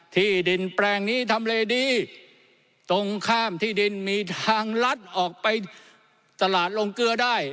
ที่ดินแปลงนี้ทำเลดีตรงข้ามที่ดินมีทางลัดออกไปตลาดลงเกลือได้